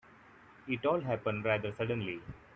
It all happened rather suddenly.